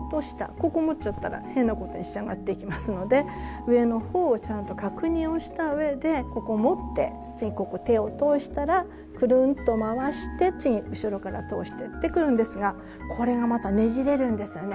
ここ持っちゃったら変なことに仕上がっていきますので上のほうをちゃんと確認をした上でここを持って次ここ手を通したらくるんと回して次後ろから通してくるんですがこれがまたねじれるんですよね